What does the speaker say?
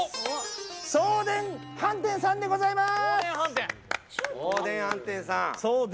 早田飯店さんでございます。